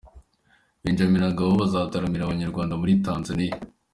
Benjame na Ngabo bazataramira Abanyarwanda muri Tanzaniya